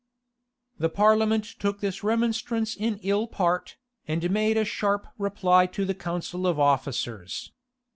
The parliament took this remonstrance in ill part, and made a sharp reply to the council of officers.